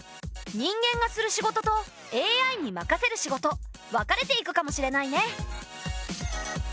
人間がする仕事とＡＩに任せる仕事分かれていくかもしれないね。